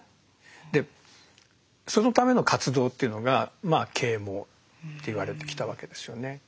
でそのための活動というのが啓蒙っていわれてきたわけですよね。